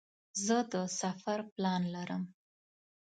زه د سفر پلان لرم.